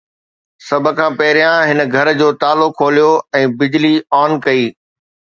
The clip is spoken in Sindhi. سڀ کان پهريان هن گهر جو تالا کوليو ۽ بجلي آن ڪئي.